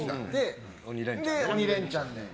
「鬼レンチャン」に。